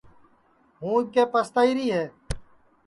ہُوں اِٻکے پستائیری ہے